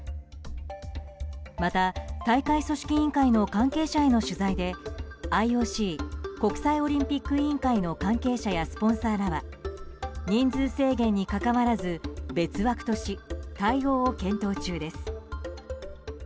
また、大会組織委員会の関係者への取材でＩＯＣ・国際オリンピック委員会の関係者やスポンサーらは人数制限にかかわらず別枠とし対応を検討中です。